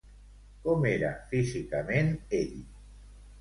Com era físicament ell?